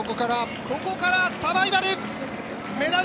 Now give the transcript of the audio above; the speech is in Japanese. ここから、サバイバル！